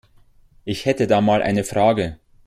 Ich hätte da mal eine Frage.